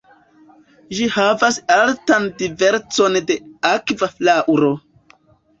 Ĝi havas altan diversecon de akva flaŭro.